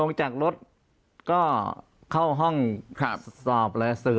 ปากกับภาคภูมิ